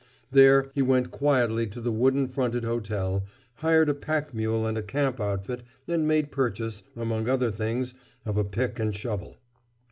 There he went quietly to the wooden fronted hotel, hired a pack mule and a camp outfit and made purchase, among other things, of a pick and shovel.